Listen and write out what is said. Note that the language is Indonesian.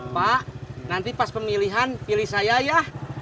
pak nanti pas pemilihan pilih saya ya